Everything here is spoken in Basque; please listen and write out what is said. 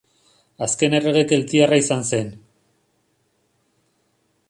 Azken errege keltiarra izan zen.